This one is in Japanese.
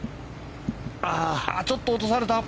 ちょっと落とされた。